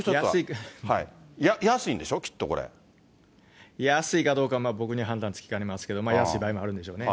安いんでしょ、安いかどうか僕には判断つきかねますけど、安い場合もあるんでしょうね、